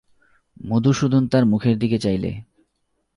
মধুসূদন তার মুখের দিকে চাইলে।